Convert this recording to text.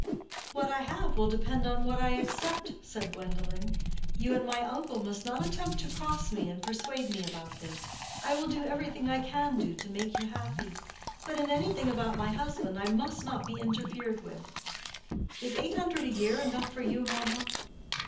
"What I have will depend on what I accept," said Gwendolen. "You and my uncle must not attempt to cross me and persuade me about this. I will do everything I can do to make you happy, but in anything about my husband I must not be interfered with. Is eight hundred a year enough for you, mamma?"